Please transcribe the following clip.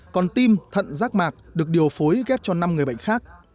còn tim thận rác mạc được điều phối ghép cho năm người bệnh khác